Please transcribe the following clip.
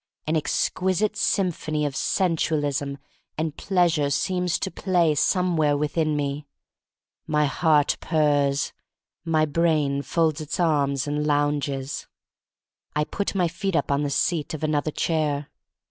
An exquisite symphony of sensual ism and pleasure seems to play some where within me. My heart purrs. My brain folds its arms and lounges. I THE STORY OF MARY MAC LANE 85 put my feet up on the seat of another chair.